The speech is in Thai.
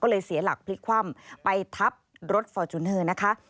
ก็เลยเสียหลักพลิกคว่ำไปทับรถฟอร์จูเนอร์นะคะ